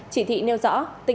chỉ thị nêu rõ